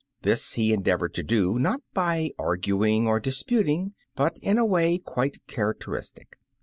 This he endeavored to do, not by arguing or disputing, but in a way quite characteristic.